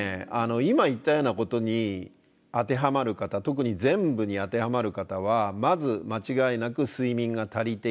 今言ったようなことに当てはまる方特に全部に当てはまる方はまず間違いなく睡眠が足りていない。